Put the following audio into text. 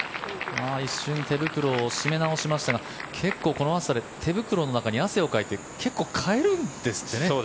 一瞬手袋を締め直しましたが結構この暑さで手袋の中で汗をかいて結構変えるんですってね。